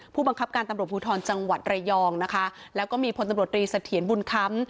ผู้บังคับการตำรวจภูทรจังหวัดระยองนะคะแล้วก็มีพลตำรวจรีเสถียรบุญค้ำ